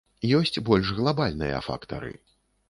Ёсць больш глабальныя фактары.